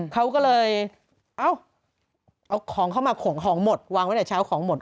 เขาก็เลยเอ้าเอาของเข้ามาขงของหมดวางไว้ในเช้าของหมด